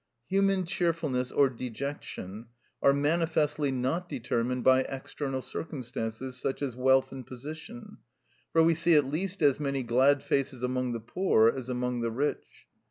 Human cheerfulness or dejection are manifestly not determined by external circumstances, such as wealth and position, for we see at least as many glad faces among the poor as among the rich.